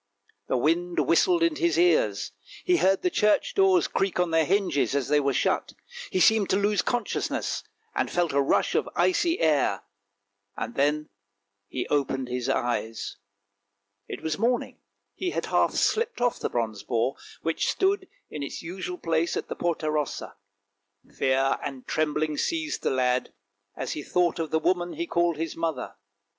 The wind whistled in his ears, he heard the church doors creak on their hinges as they were shut, he seemed to lose consciousness, and felt a rush of icy air — and then he opened his eyes. 338 ANDERSEN'S FAIRY TALES It was morning; he had half slipped off the bronze boar, which stood in its usual place in the Porta Rossa. Fear and trembling seized the lad as he thought of the woman he called his mother.